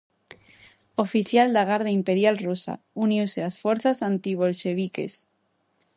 Oficial da garda imperial rusa, uniuse ás forzas antibolxeviques.